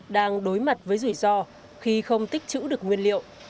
đang đối mặt với rủi ro khi không tích chữ được nguyên liệu